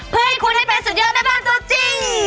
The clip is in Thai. เพื่อให้คุณได้เป็นสุดยอดแม่บ้านตัวจริง